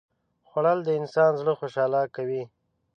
خوړل د انسان زړه خوشاله کوي